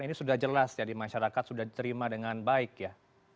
ini sudah jelas ya di masyarakat sudah diterima dengan baik ya